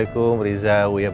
aku merry pudding